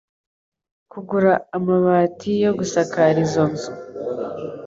kugura amabati yo gusakara izo nzu.